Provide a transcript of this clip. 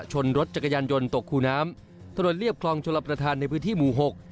ชนรถจักรยานยนต์ตกคูน้ำถนนเรียบคลองชลประธานในพื้นที่หมู่หก